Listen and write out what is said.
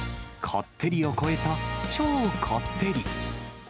こってりを超えた超こってり。